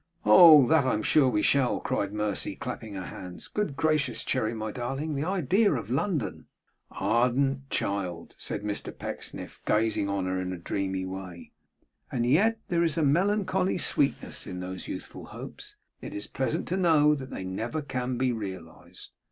'Oh! that I'm sure we shall!' cried Mercy, clapping her hands. 'Good gracious, Cherry, my darling, the idea of London!' 'Ardent child!' said Mr Pecksniff, gazing on her in a dreamy way. 'And yet there is a melancholy sweetness in these youthful hopes! It is pleasant to know that they never can be realised.